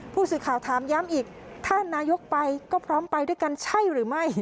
ผู้สื่อข่าวถามย้ำอีกถ้านายกไปก็พร้อมไปด้วยกันใช่หรือไม่